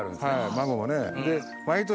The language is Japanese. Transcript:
孫もね。